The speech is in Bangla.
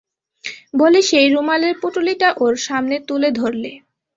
বলে সেই রুমালের পুঁটুলিটা ওর সামনে তুলে ধরলে।